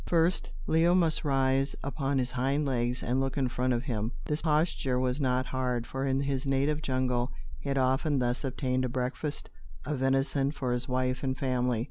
First, Leo must rise upon his hind legs and look in front of him. This posture was not hard, for in his native jungle, he had often thus obtained a breakfast of venison for his wife and family.